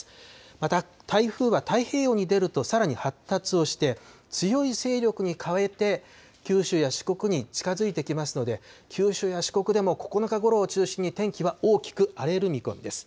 また台風は太平洋に出ると、さらに発達をして、強い勢力に変えて、九州や四国に近づいてきますので、九州や四国でも９日ごろを中心に、天気は大きく荒れる見込みです。